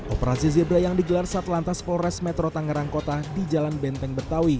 operasi zebra yang digelar saat lantas polres metro tangerang kota di jalan benteng betawi